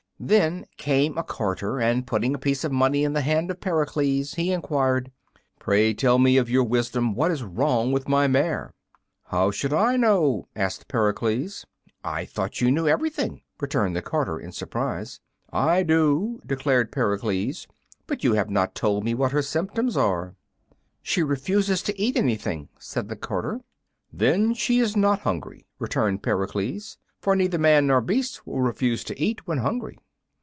Then came a carter, and putting a piece of money in the hand of Pericles, he enquired, "Pray tell me of your wisdom what is wrong with my mare?" "How should I know?" asked Pericles. "I thought you knew everything," returned the carter, in surprise. "I do," declared Pericles; "but you have not told me what her symptoms are." "She refuses to eat anything," said the carter. "Then she is not hungry," returned Pericles; "for neither man nor beast will refuse to eat when hungry."